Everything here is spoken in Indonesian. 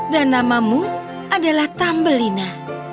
dan namamu adalah tambelina